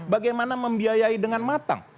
bagaimana membiayai dengan matang